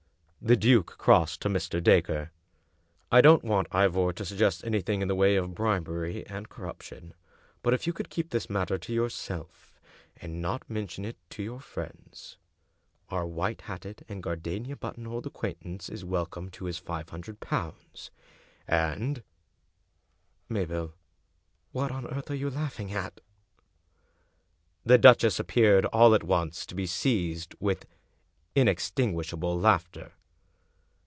The duke crossed to Mr. Dacre. " I don't want, Ivor, to suggest anything in the way of bribery and corruption, but if you could keep this matter to yourself, and not mention it to your friends, our white hatted and gardenia buttonholed acquaintance is welcome to his five hundred pounds, and — Mabel, what on earth are you laughing at? " The duchess appeared, all at once, to be seized with inextinguishable laughter.